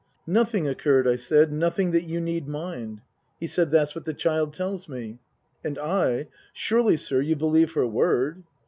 " Nothing occurred," I said, " nothing that you need mind." He said, " That's what the child tells me." And I, " Surely, sir, you believe her word